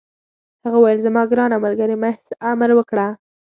هغه وویل: زما ګرانه ملګرې، محض امر وکړه.